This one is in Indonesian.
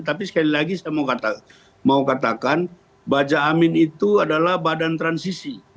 tapi sekali lagi saya mau katakan baja amin itu adalah badan transisi